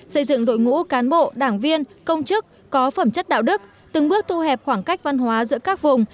xây dựng đội ngũ cán bộ đảng viên công chức có phẩm chất đạo đức từng bước thu hẹp khoảng cách văn hóa giữa các vùng